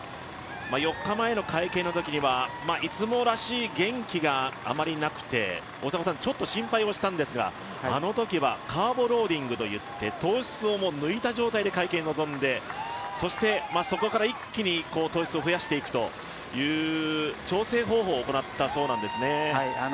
４日前の会見のときにはいつもらしい元気があまりなくてちょっと心配をしたんですがあのときはカーボローリングといって糖質を抜いた状態で会見に臨んでそして、そこからいっきに糖質を増やしていくという調整方法を行ってたんですね。